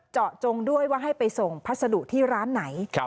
จงด้วยว่าให้ไปส่งพัสดุที่ร้านไหน